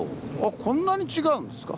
こんなに違うんですか。